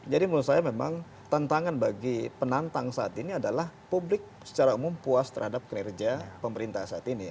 jadi menurut saya memang tentangan bagi penantang saat ini adalah publik secara umum puas terhadap kinerja pemerintah saat ini